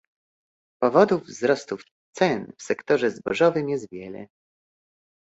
Powodów wzrostu cen w sektorze zbożowym jest wiele